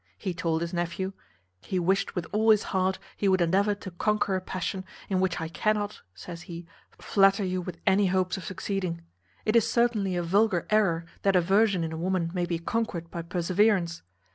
He told his nephew, "He wished with all his heart he would endeavour to conquer a passion, in which I cannot," says he, "flatter you with any hopes of succeeding. It is certainly a vulgar error, that aversion in a woman may be conquered by perseverance.